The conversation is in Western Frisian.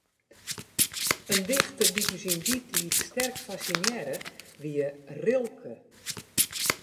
In dichter dy't ús yn dy tiid sterk fassinearre, wie Rilke.